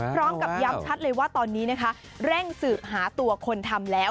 พร้อมกับย้ำชัดเลยว่าตอนนี้นะคะเร่งสืบหาตัวคนทำแล้ว